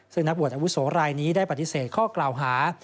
ซึ่งนักบวชอาวุโสรายนี้ได้ปฏิเสธข้อกล่าวหา